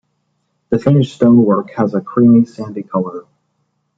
The finished stonework has a creamy, sandy colour.